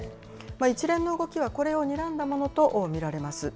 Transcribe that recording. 一連の動きはこれをにらんだものと見られます。